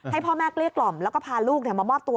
ให้พ่อแม่เกลี้ยกล่อมแล้วก็พาลูกมามอบตัว